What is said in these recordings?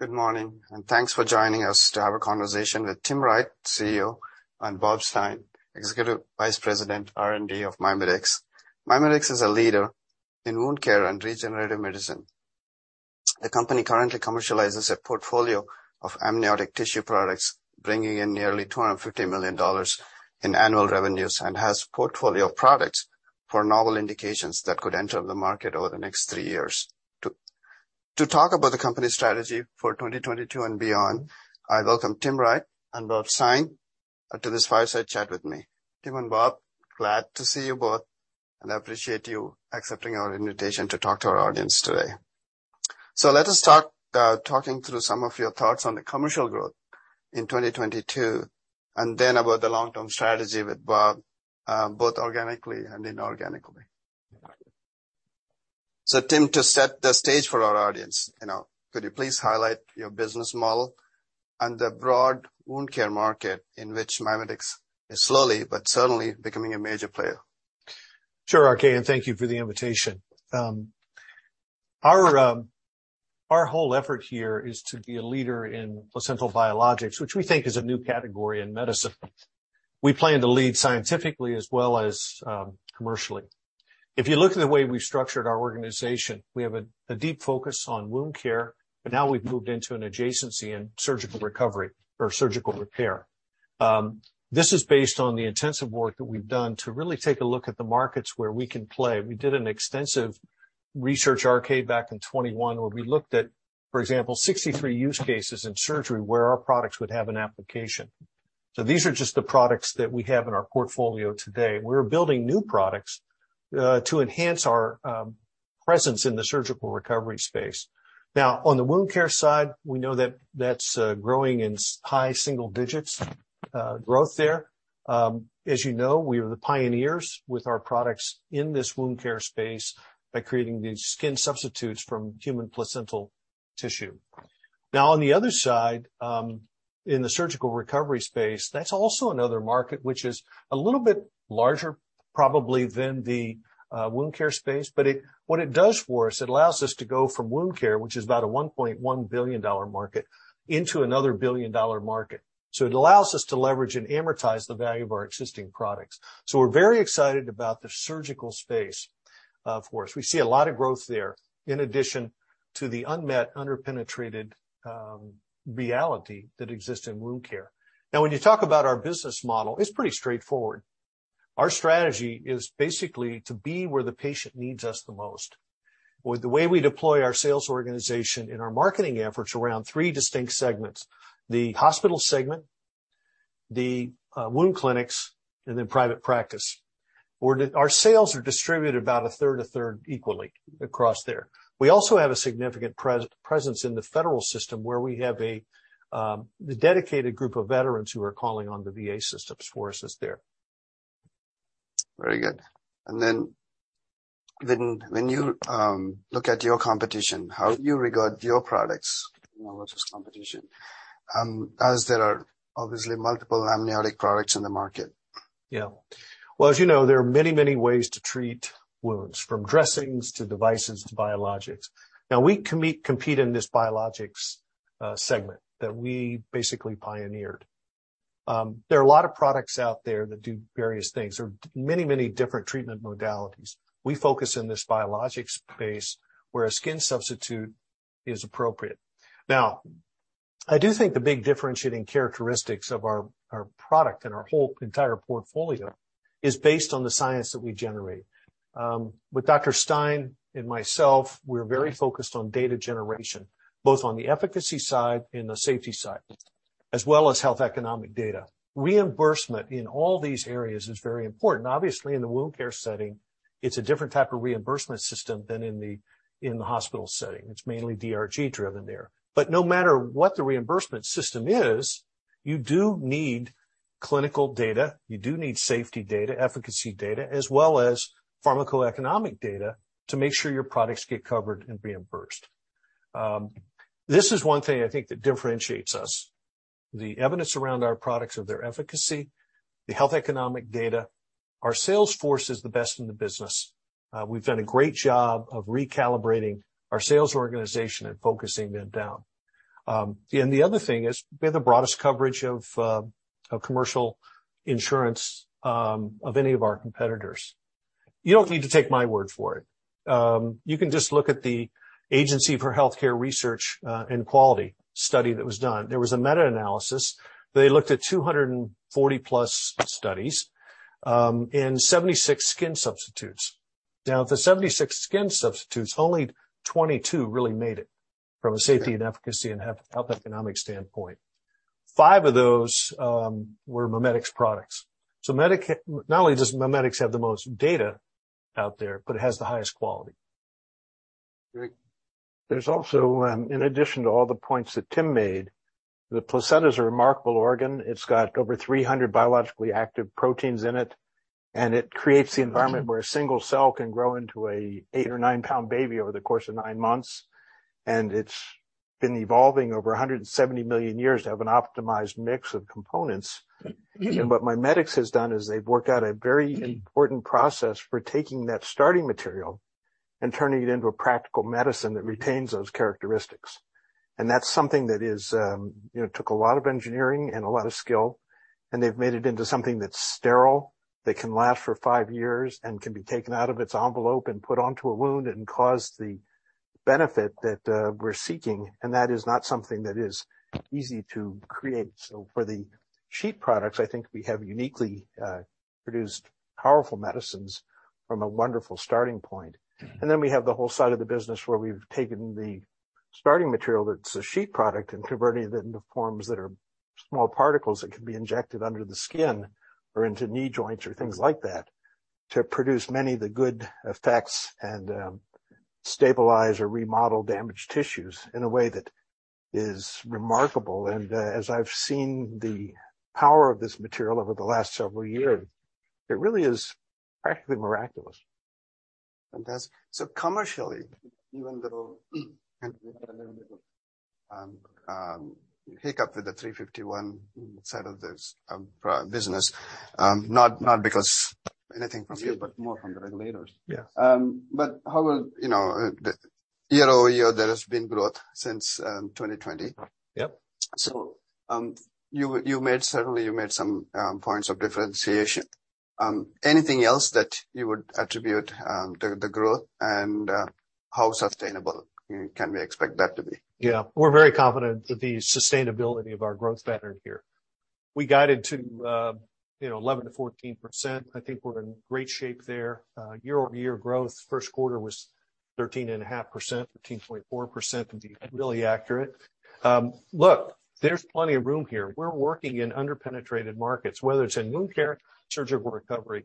Good morning, and thanks for joining us to have a conversation with Timothy Wright, CEO, and Robert Stein, Executive Vice President, R&D of MiMedx. MiMedx is a leader in wound care and regenerative medicine. The company currently commercializes a portfolio of amniotic tissue products, bringing in nearly $250 million in annual revenues and has portfolio of products for novel indications that could enter the market over the next three years. To talk about the company's strategy for 2022 and beyond, I welcome Timothy Wright and Robert Stein to this fireside chat with me. Tim and Bob, glad to see you both, and I appreciate you accepting our invitation to talk to our audience today. Let us start talking through some of your thoughts on the commercial growth in 2022, and then about the long-term strategy with Bob both organically and inorganically. Tim, to set the stage for our audience, you know, could you please highlight your business model and the broad wound care market in which MiMedx is slowly but certainly becoming a major player? Sure, RK, thank you for the invitation. Our whole effort here is to be a leader in placental biologics, which we think is a new category in medicine. We plan to lead scientifically as well as commercially. If you look at the way we've structured our organization, we have a deep focus on wound care, but now we've moved into an adjacency in surgical recovery or surgical repair. This is based on the intensive work that we've done to really take a look at the markets where we can play. We did an extensive research exercise back in 2021, where we looked at, for example, 63 use cases in surgery where our products would have an application. These are just the products that we have in our portfolio today. We're building new products to enhance our presence in the surgical recovery space. Now, on the wound care side, we know that that's growing in high single digits growth there. As you know, we are the pioneers with our products in this wound care space by creating these skin substitutes from human placental tissue. Now, on the other side, in the surgical recovery space, that's also another market which is a little bit larger probably than the wound care space. What it does for us, it allows us to go from wound care, which is about a $1.1 billion market, into another billion-dollar market. It allows us to leverage and amortize the value of our existing products. We're very excited about the surgical space. Of course, we see a lot of growth there in addition to the unmet, under-penetrated reality that exists in wound care. Now, when you talk about our business model, it's pretty straightforward. Our strategy is basically to be where the patient needs us the most. With the way we deploy our sales organization and our marketing efforts around three distinct segments, the hospital segment, the wound clinics, and then private practice. Our sales are distributed about a third equally across there. We also have a significant presence in the federal system, where we have the dedicated group of veterans who are calling on the VA systems for us as there. Very good. When you look at your competition, how do you regard your products versus competition? As there are obviously multiple amniotic products in the market. Yeah. Well, as you know, there are many, many ways to treat wounds, from dressings to devices to biologics. Now, we compete in this biologics segment that we basically pioneered. There are a lot of products out there that do various things. There are many, many different treatment modalities. We focus in this biologics space where a skin substitute is appropriate. Now, I do think the big differentiating characteristics of our product and our whole entire portfolio is based on the science that we generate. With Dr. Stein and myself, we're very focused on data generation, both on the efficacy side and the safety side, as well as health economic data. Reimbursement in all these areas is very important. Obviously, in the wound care setting, it's a different type of reimbursement system than in the hospital setting. It's mainly DRG-driven there. No matter what the reimbursement system is, you do need clinical data, you do need safety data, efficacy data, as well as pharmacoeconomic data to make sure your products get covered and reimbursed. This is one thing I think that differentiates us, the evidence around our products of their efficacy, the health economic data. Our sales force is the best in the business. We've done a great job of recalibrating our sales organization and focusing that down. The other thing is we have the broadest coverage of commercial insurance of any of our competitors. You don't need to take my word for it. You can just look at the Agency for Healthcare Research and Quality study that was done. There was a meta-analysis. They looked at 240+ studies and 76 skin substitutes. Now, of the 76 skin substitutes, only 22 really made it from a safety and efficacy and health economic standpoint. Five of those were MiMedx products. Not only does MiMedx have the most data out there, but it has the highest quality. Great. There's also, in addition to all the points that Tim made, the placenta is a remarkable organ. It's got over 300 biologically active proteins in it, and it creates the environment where a single cell can grow into an 8 or 9 lbs baby over the course of nine months. It's been evolving over 170 million years to have an optimized mix of components. What MiMedx has done is they've worked out a very important process for taking that starting material and turning it into a practical medicine that retains those characteristics. That's something that is, you know, took a lot of engineering and a lot of skill, and they've made it into something that's sterile, that can last for five years and can be taken out of its envelope and put onto a wound and cause the benefit that we're seeking. That is not something that is easy to create. For the sheet products, I think we have uniquely produced powerful medicines from a wonderful starting point. Mm-hmm. We have the whole side of the business where we've taken the starting material that's a sheet product and converting it into forms that are small particles that can be injected under the skin or into knee joints or things like that, to produce many of the good effects and stabilize or remodel damaged tissues in a way that is remarkable. As I've seen the power of this material over the last several years, it really is practically miraculous. Fantastic. Commercially, even though we had a little hiccup with the Section 351 side of this business, not because of anything from you, but more from the regulators. Yes. Year-over-year there has been growth since 2020. Yep. Certainly you made some points of differentiation. Anything else that you would attribute the growth and how sustainable can we expect that to be? Yeah. We're very confident of the sustainability of our growth pattern here. We guided to 11%-14%. I think we're in great shape there. Year-over-year growth, first quarter was 13.5%, 13.4% to be really accurate. Look, there's plenty of room here. We're working in under-penetrated markets, whether it's in wound care, surgical recovery,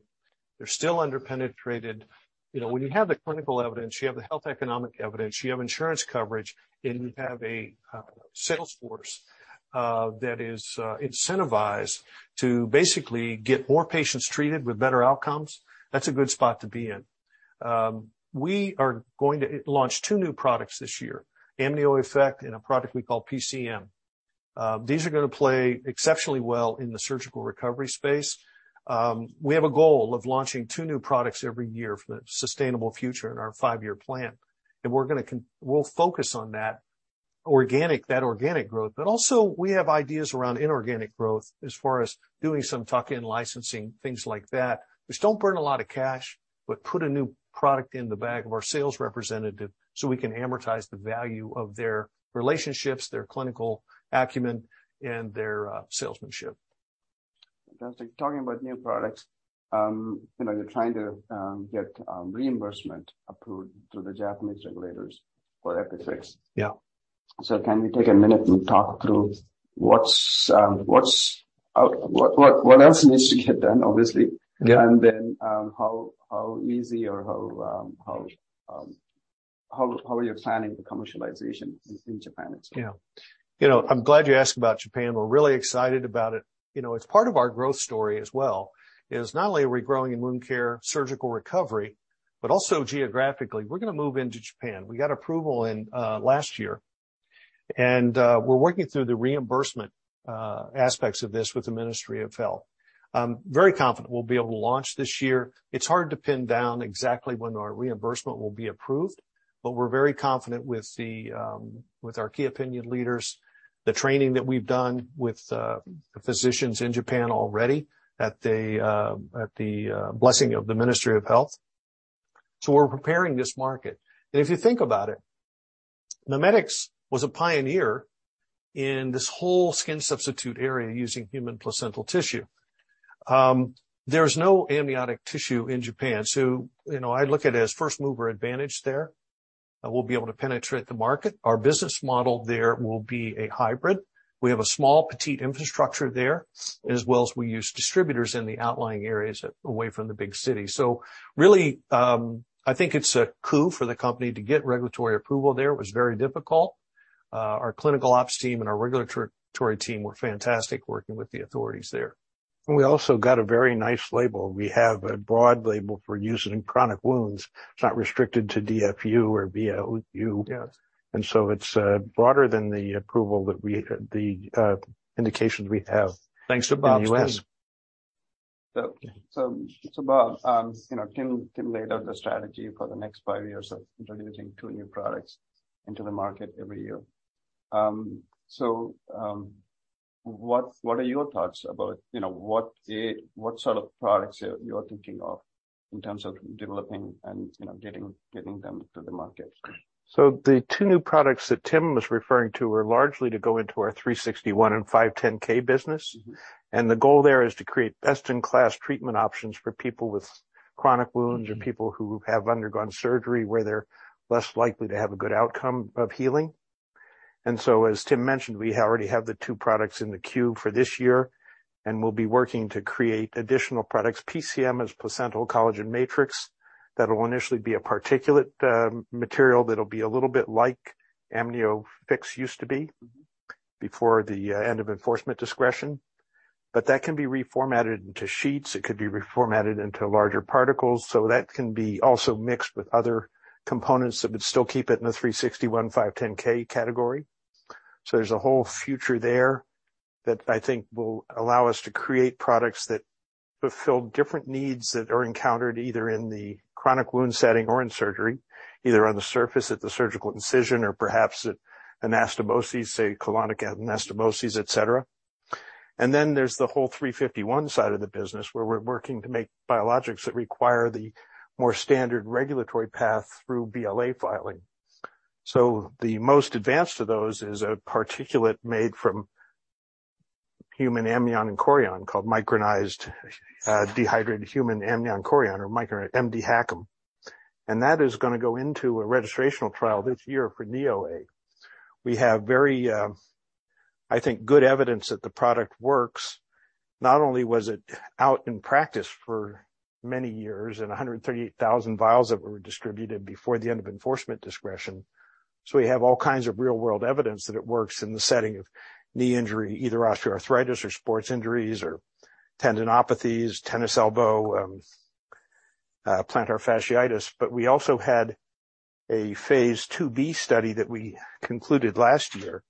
they're still under-penetrated. You know, when you have the clinical evidence, you have the health economic evidence, you have insurance coverage, and you have a sales force that is incentivized to basically get more patients treated with better outcomes, that's a good spot to be in. We are going to launch two new products this year, AmnioFix and a product we call PCM. These are gonna play exceptionally well in the surgical recovery space. We have a goal of launching two new products every year for the sustainable future in our five-year plan. We'll focus on that organic growth. Also we have ideas around inorganic growth as far as doing some tuck-in licensing, things like that, which don't burn a lot of cash, but put a new product in the bag of our sales representative so we can amortize the value of their relationships, their clinical acumen, and their salesmanship. Fantastic. Talking about new products, you know, you're trying to get reimbursement approved through the Japanese regulators for EPIFIX. Yeah. Can we take a minute and talk through what else needs to get done, obviously? Yeah. How easy or how are you planning the commercialization in Japan as well? Yeah. You know, I'm glad you asked about Japan. We're really excited about it. You know, it's part of our growth story as well, is not only are we growing in wound care, surgical recovery, but also geographically. We're gonna move into Japan. We got approval in last year, and we're working through the reimbursement aspects of this with the Ministry of Health. I'm very confident we'll be able to launch this year. It's hard to pin down exactly when our reimbursement will be approved, but we're very confident with our key opinion leaders, the training that we've done with the physicians in Japan already at the blessing of the Ministry of Health. So we're preparing this market. If you think about it, MiMedx was a pioneer in this whole skin substitute area using human placental tissue. There's no amniotic tissue in Japan, so, you know, I look at it as first-mover advantage there, and we'll be able to penetrate the market. Our business model there will be a hybrid. We have a small, petite infrastructure there, as well as we use distributors in the outlying areas away from the big city. Really, I think it's a coup for the company to get regulatory approval there. It was very difficult. Our clinical ops team and our regulatory team were fantastic working with the authorities there. We also got a very nice label. We have a broad label for use in chronic wounds. It's not restricted to DFU or VLU. Yes. It's broader than the indications we have. Thanks to Robert Stein.... in the U.S. Bob, you know, Tim laid out the strategy for the next five years of introducing two new products into the market every year. What are your thoughts about, you know, what sort of products are you thinking of in terms of developing and, you know, getting them to the market? The two new products that Tim was referring to were largely to go into our Section 361 and 510(k) business. Mm-hmm. The goal there is to create best-in-class treatment options for people with chronic wounds. Mm-hmm or people who have undergone surgery where they're less likely to have a good outcome of healing. As Tim mentioned, we already have the two products in the queue for this year, and we'll be working to create additional products. PCM is placental collagen matrix. That'll initially be a particulate material that'll be a little bit like AmnioFix used to be. Mm-hmm... before the end of enforcement discretion. That can be reformatted into sheets. It could be reformatted into larger particles. That can be also mixed with other components that would still keep it in the Section 361, 510(k) category. There's a whole future there. That I think will allow us to create products that fulfill different needs that are encountered either in the chronic wound setting or in surgery, either on the surface at the surgical incision or perhaps at anastomosis, say colonic anastomosis, et cetera. Then there's the whole 351 side of the business where we're working to make biologics that require the more standard regulatory path through BLA filing. The most advanced of those is a particulate made from human amnion and chorion called micronized dehydrated human amnion chorion, or mdHACM. That is gonna go into a registrational trial this year for knee OA. We have very, I think, good evidence that the product works. Not only was it out in practice for many years and 138,000 vials of it were distributed before the end of enforcement discretion. We have all kinds of real-world evidence that it works in the setting of knee injury, either osteoarthritis or sports injuries or tendinopathies, tennis elbow, plantar fasciitis. We also had a Phase IIb study that we concluded last year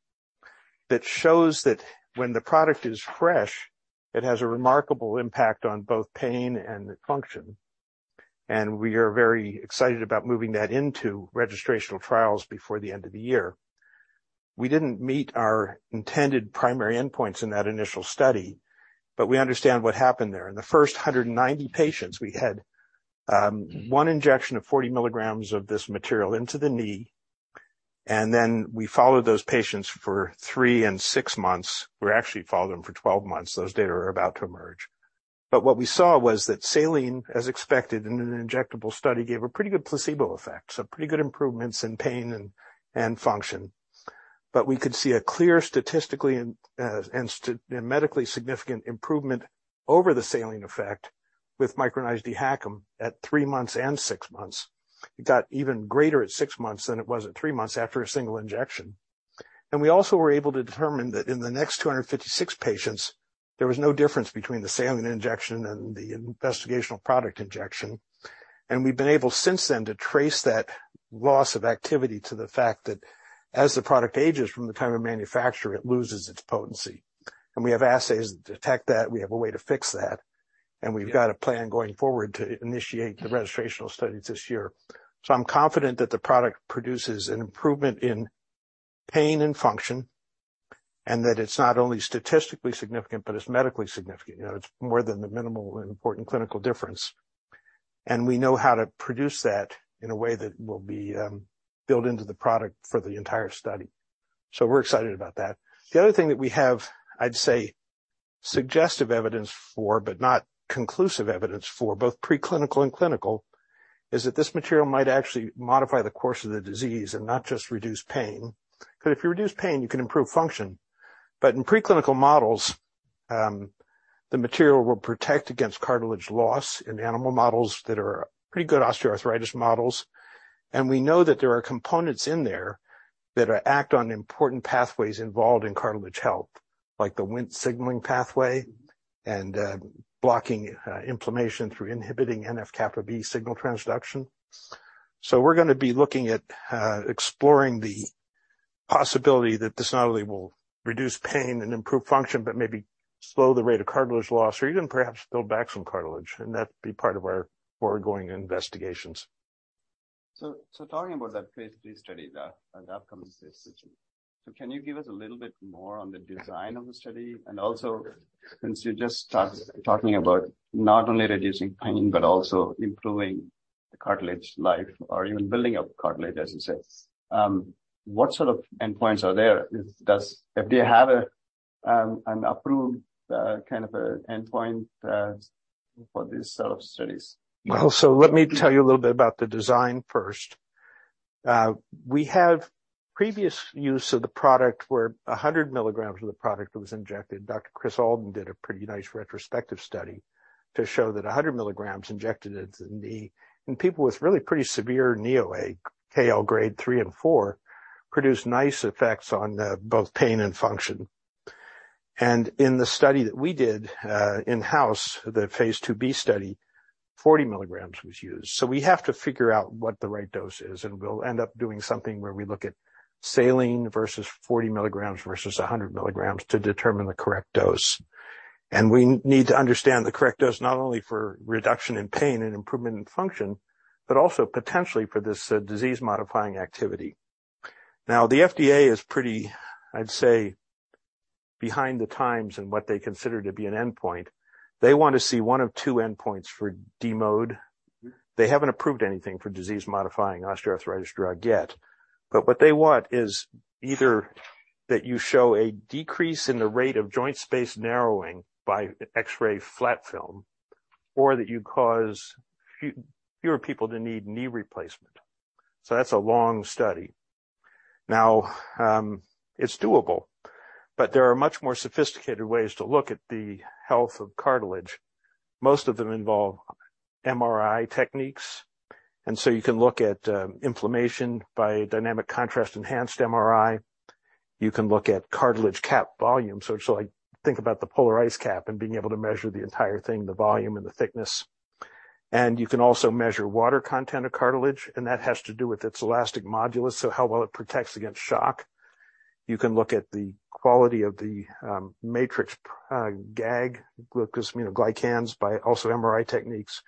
that shows that when the product is fresh, it has a remarkable impact on both pain and function. We are very excited about moving that into registrational trials before the end of the year. We didn't meet our intended primary endpoints in that initial study, but we understand what happened there. In the first 190 patients, we had one injection of 40 milligrams of this material into the knee, and then we followed those patients for three and six months. We actually followed them for 12 months. Those data are about to emerge. What we saw was that saline, as expected in an injectable study, gave a pretty good placebo effect, so pretty good improvements in pain and function. We could see a clear statistically and medically significant improvement over the saline effect with micronized DHACM at three months and six months. It got even greater at six months than it was at three months after a single injection. We also were able to determine that in the next 256 patients, there was no difference between the saline injection and the investigational product injection. We've been able since then to trace that loss of activity to the fact that as the product ages from the time of manufacture, it loses its potency. We have assays that detect that. We have a way to fix that, and we've got a plan going forward to initiate the registrational studies this year. I'm confident that the product produces an improvement in pain and function, and that it's not only statistically significant, but it's medically significant. You know, it's more than the minimal and important clinical difference. We know how to produce that in a way that will be built into the product for the entire study. We're excited about that. The other thing that we have, I'd say suggestive evidence for, but not conclusive evidence for, both preclinical and clinical, is that this material might actually modify the course of the disease and not just reduce pain. 'Cause if you reduce pain, you can improve function. In preclinical models, the material will protect against cartilage loss in animal models that are pretty good osteoarthritis models. We know that there are components in there that act on important pathways involved in cartilage health, like the Wnt signaling pathway and blocking inflammation through inhibiting NF-kappa B signal transduction. We're gonna be looking at exploring the possibility that this not only will reduce pain and improve function, but maybe slow the rate of cartilage loss or even perhaps build back some cartilage, and that'd be part of our ongoing investigations. Talking about that phase III study and upcoming decision. Can you give us a little bit more on the design of the study? Also, since you just start talking about not only reducing pain, but also improving the cartilage life or even building up cartilage, as you said, what sort of endpoints are there? Does FDA have an approved kind of endpoint for these sort of studies? Well, let me tell you a little bit about the design first. We have previous use of the product where 100 milligrams of the product was injected. Dr. Kris Alden did a pretty nice retrospective study to show that 100 milligrams injected into the knee in people with really pretty severe knee OA, KL Grade 3 and 4, produced nice effects on both pain and function. In the study that we did in-house, the phase IIb study, 40 milligrams was used. We have to figure out what the right dose is, and we'll end up doing something where we look at saline versus 40 milligrams versus 100 milligrams to determine the correct dose. We need to understand the correct dose not only for reduction in pain and improvement in function, but also potentially for this disease-modifying activity. Now, the FDA is pretty, I'd say, behind the times in what they consider to be an endpoint. They want to see one of two endpoints for DMOAD. They haven't approved anything for Disease-Modifying Osteoarthritis Drug yet. What they want is either that you show a decrease in the rate of joint space narrowing by X-ray flat film or that you cause fewer people to need knee replacement. That's a long study. Now, it's doable, but there are much more sophisticated ways to look at the health of cartilage. Most of them involve MRI techniques, and so you can look at inflammation by dynamic contrast-enhanced MRI. You can look at cartilage cap volume. It's like, think about the polar ice cap and being able to measure the entire thing, the volume and the thickness. You can also measure water content of cartilage, and that has to do with its elastic modulus, so how well it protects against shock. You can look at the quality of the matrix, GAG, glycosaminoglycans, by also MRI techniques.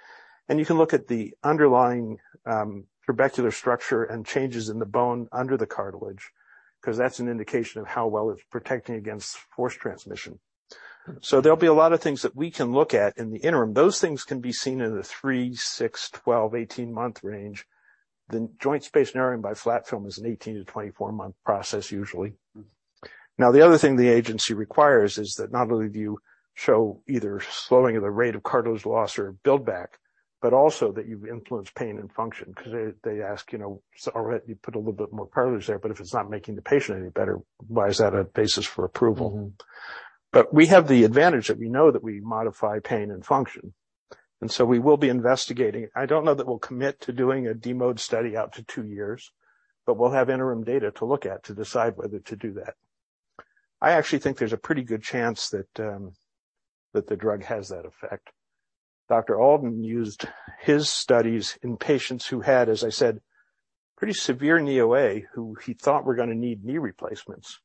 You can look at the underlying trabecular structure and changes in the bone under the cartilage, 'cause that's an indication of how well it's protecting against force transmission. There'll be a lot of things that we can look at in the interim. Those things can be seen in the 3, 6, 12, 18th month range. The joint space narrowing by flat film is an 18-24 month process usually. Now, the other thing the agency requires is that not only do you show either slowing of the rate of cartilage loss or build back, but also that you've influenced pain and function. 'Cause they ask, you know, so all right, you put a little bit more cartilage there, but if it's not making the patient any better, why is that a basis for approval? Mm-hmm. We have the advantage that we know that we modify pain and function. We will be investigating. I don't know that we'll commit to doing a DMOAD study out to two years, but we'll have interim data to look at to decide whether to do that. I actually think there's a pretty good chance that the drug has that effect. Dr. Alden used his studies in patients who had, as I said, pretty severe knee OA, who he thought were gonna need knee replacements.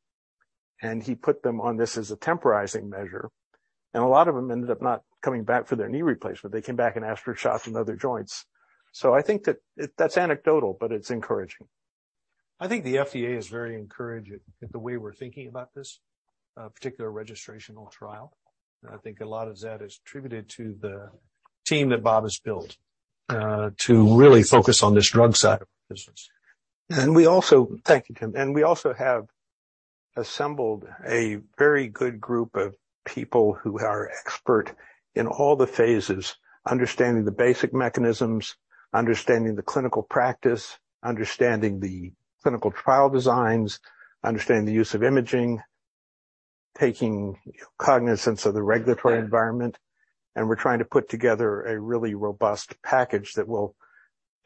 He put them on this as a temporizing measure, and a lot of them ended up not coming back for their knee replacement. They came back and asked for shots in other joints. I think that that's anecdotal, but it's encouraging. I think the FDA is very encouraged at the way we're thinking about this particular registrational trial. I think a lot of that is attributed to the team that Bob has built to really focus on this drug side of the business. Thank you, Tim. We also have assembled a very good group of people who are expert in all the phases, understanding the basic mechanisms, understanding the clinical practice, understanding the clinical trial designs, understanding the use of imaging, taking cognizance of the regulatory environment. We're trying to put together a really robust package that will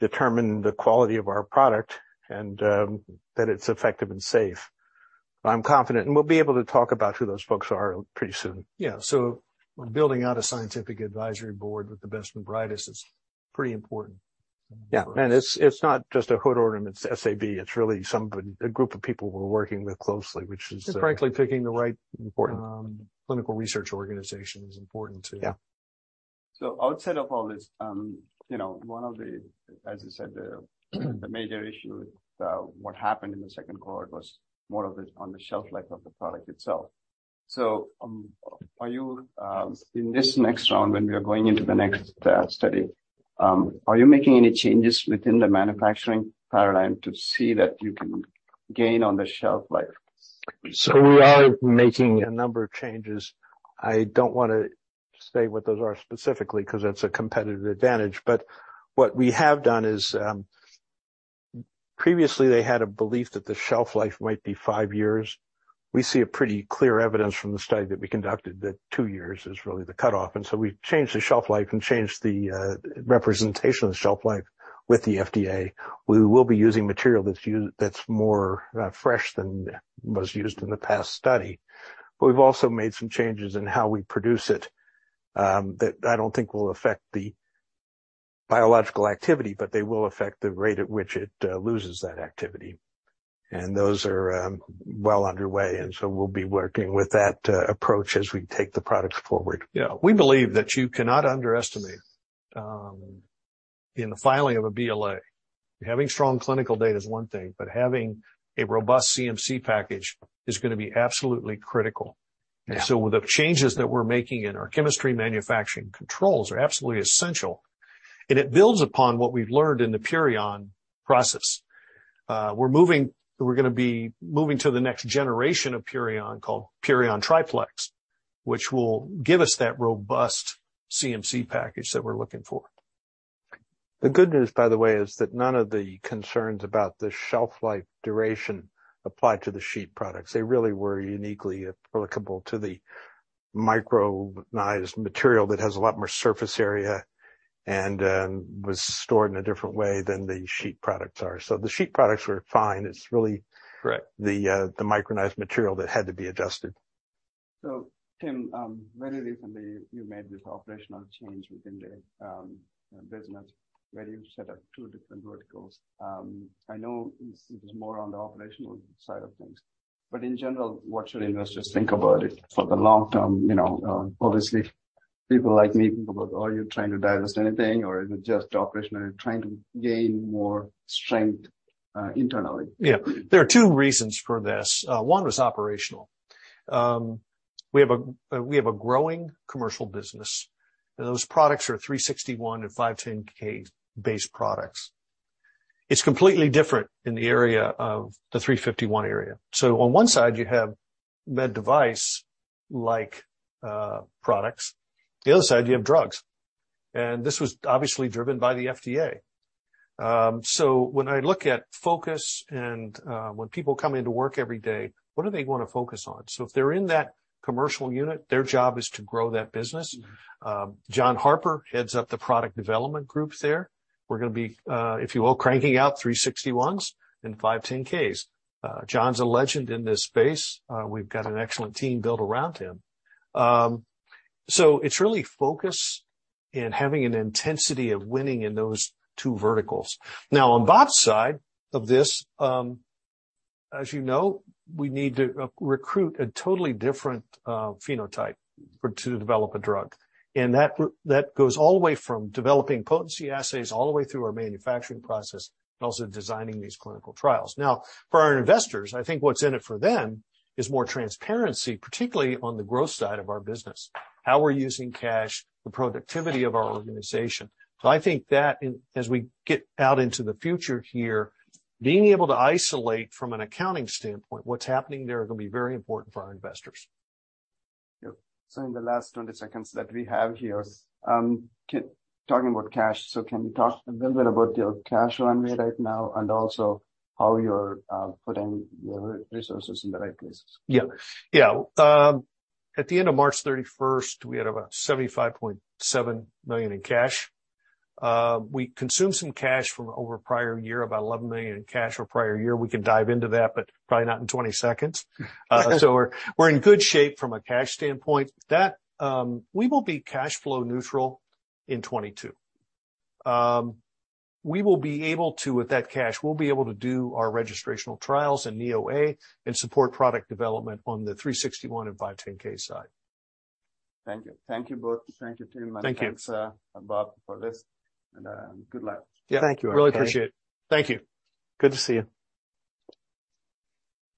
determine the quality of our product and that it's effective and safe. I'm confident, and we'll be able to talk about who those folks are pretty soon. Yeah. We're building out a scientific advisory board with the best and brightest. It's pretty important. It's not just a hood ornament SAB. It's really somebody, a group of people we're working with closely. Frankly, picking the right- Important Clinical research organization is important too. Yeah. Outside of all this, you know, one of the, as you said, the major issue with what happened in the second quarter was more on the shelf life of the product itself. Are you in this next round, when we are going into the next study, making any changes within the manufacturing paradigm to see that you can gain on the shelf life? We are making a number of changes. I don't wanna say what those are specifically 'cause that's a competitive advantage. What we have done is, previously they had a belief that the shelf life might be five years. We see a pretty clear evidence from the study that we conducted that two years is really the cutoff. We've changed the shelf life and changed the representation of the shelf life with the FDA. We will be using material that's more fresh than was used in the past study. We've also made some changes in how we produce it that I don't think will affect the biological activity, but they will affect the rate at which it loses that activity. Those are well underway, and so we'll be working with that approach as we take the product forward. Yeah. We believe that you cannot underestimate, in the filing of a BLA, having strong clinical data is one thing, but having a robust CMC package is gonna be absolutely critical. Yeah. The changes that we're making in our chemistry manufacturing controls are absolutely essential. It builds upon what we've learned in the Purion process. We're gonna be moving to the next generation of Purion called Purion Triplex, which will give us that robust CMC package that we're looking for. The good news, by the way, is that none of the concerns about the shelf life duration apply to the sheet products. They really were uniquely applicable to the micronized material that has a lot more surface area and was stored in a different way than the sheet products are. The sheet products were fine. Correct... the micronized material that had to be adjusted. Tim, very recently you made this operational change within the business where you set up two different verticals. I know it was more on the operational side of things, but in general, what should investors think about it for the long term? You know, obviously people like me think about, are you trying to divest anything, or is it just operational, you're trying to gain more strength internally? Yeah. There are two reasons for this. One was operational. We have a growing commercial business, and those products are Section 361 and 510(k) based products. It's completely different in the area of the Section 351 area. On one side you have med device like products, the other side you have drugs. This was obviously driven by the FDA. When I look at focus and, when people come into work every day, what do they wanna focus on? If they're in that commercial unit, their job is to grow that business. John Harper heads up the product development group there. We're gonna be, if you will, cranking out Section 361s and 510(k)s. John's a legend in this space. We've got an excellent team built around him. It's really focus and having an intensity of winning in those two verticals. Now, on Bob's side of this, as you know, we need to recruit a totally different phenotype for to develop a drug. That goes all the way from developing potency assays all the way through our manufacturing process, and also designing these clinical trials. Now, for our investors, I think what's in it for them is more transparency, particularly on the growth side of our business, how we're using cash, the productivity of our organization. I think that in, as we get out into the future here, being able to isolate from an accounting standpoint what's happening there are gonna be very important for our investors. Yep. In the last 20 seconds that we have here, talking about cash, can you talk a little bit about your cash runway right now, and also how you're putting your resources in the right places? Yeah. Yeah. At the end of March 31, we had about $75.7 million in cash. We consumed some cash from over prior year, about $11 million in cash over prior year. We can dive into that, but probably not in 20 seconds. We're in good shape from a cash standpoint. That we will be cash flow neutral in 2022. We will be able to, with that cash, we'll be able to do our registrational trials in knee OA and support product development on the Section 361 and 510(k) side. Thank you. Thank you both. Thank you, Tim. Thank you. Thanks, Bob, for this, and good luck. Yeah. Thank you. Really appreciate it. Thank you. Good to see you.